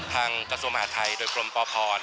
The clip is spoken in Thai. กระทรวงมหาดไทยโดยกรมปพ